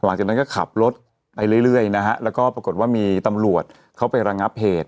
หลังจากนั้นก็ขับรถไปเรื่อยนะฮะแล้วก็ปรากฏว่ามีตำรวจเขาไประงับเหตุ